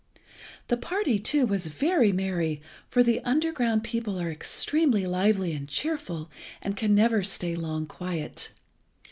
The party, too, was very merry, for the underground people are extremely lively and cheerful, and can never stay long quiet.